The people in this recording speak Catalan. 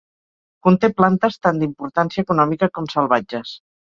Conté plantes tant d’importància econòmica com salvatges.